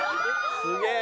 すげえ。